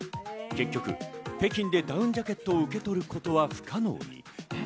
結局、北京でダウンジャケットを受け取ることは不可能に。